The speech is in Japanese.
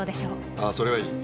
ああそれはいい。